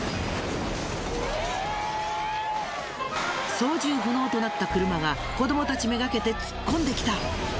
操縦不能となった車が子どもたちめがけて突っ込んできた。